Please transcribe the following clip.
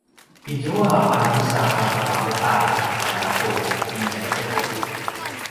izua a drusa a vuqavuqalj a laqulj i tjaiteku